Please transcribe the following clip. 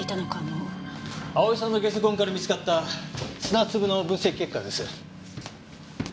蒼さんのゲソ痕から見つかった砂粒の分析結果です。